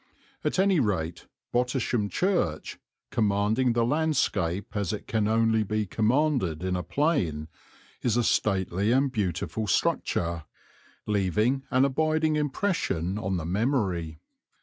At any rate Bottisham church, commanding the landscape as it can only be commanded in a plain, is a stately and beautiful structure, leaving an abiding impression on the memory.